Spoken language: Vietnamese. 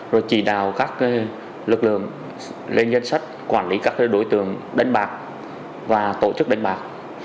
rồi chỉ đào các lực lượng lên danh sách quản lý các đối tượng đánh bạc và tổ chức đánh bạc